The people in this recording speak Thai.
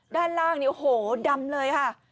ด้านล่างเนี่ยโอ้โหดำเลยค่ะ